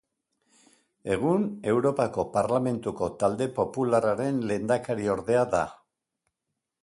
Egun, Europako Parlamentuko Talde Popularraren lehendakariordea da.